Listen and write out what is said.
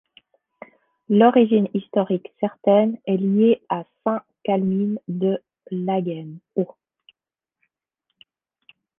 L'origine historique certaine est liée à saint Calmine de Laguenne au -.